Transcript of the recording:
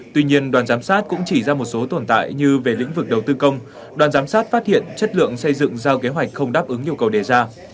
tuy nhiên đoàn giám sát cũng chỉ ra một số tồn tại như về lĩnh vực đầu tư công đoàn giám sát phát hiện chất lượng xây dựng giao kế hoạch không đáp ứng nhu cầu đề ra